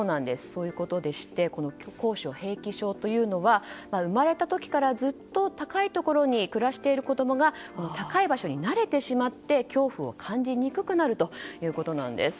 そういうことでしてこの高所平気症というのは生まれた時からずっと高いところに暮らしている子供が高い場所に慣れてしまって恐怖を感じにくくなるということなんです。